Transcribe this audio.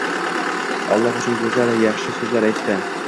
Alloh uchun go'zal, yaxshi so'zlar aytdi.